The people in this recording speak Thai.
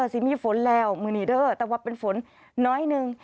สิมีฝนแล้วมือนีเดอร์แต่ว่าเป็นฝนน้อยหนึ่ง